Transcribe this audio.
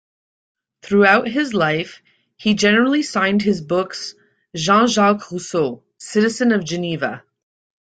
Throughout his life, he generally signed his books "Jean-Jacques Rousseau, Citizen of Geneva".